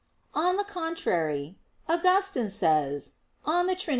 On the contrary, Augustine says (De Trin.